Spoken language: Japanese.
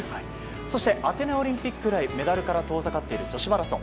そしてアテネオリンピック以来メダルから遠ざかっている女子マラソン。